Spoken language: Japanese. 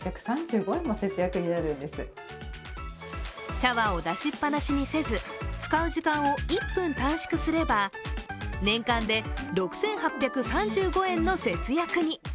シャワーを出しっぱなしにせず、使う時間を１分短縮すれば年間で６８３５円の節約に。